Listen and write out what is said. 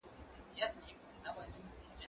زه به لوښي وچولي وي؟!